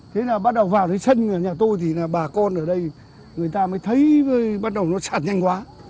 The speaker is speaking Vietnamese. thế là bắt đầu vào đến sân nhà tôi thì là bà con ở đây người ta mới thấy bắt đầu nó sạt nhanh quá